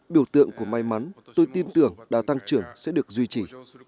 biểu tượng của may mắn tôi tin tưởng đà tăng trưởng sẽ được duy trì